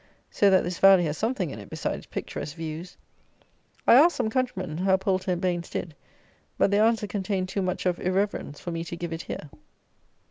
So that this valley has something in it besides picturesque views! I asked some countrymen how Poulter and Baines did; but their answer contained too much of irreverence for me to give it here.